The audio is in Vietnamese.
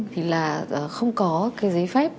thì là không có giấy phép